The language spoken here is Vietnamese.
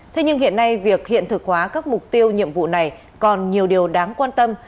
thế nhưng hiện nay việc hiện thực hóa các mục tiêu nhiệm vụ này còn nhiều điều đáng quan tâm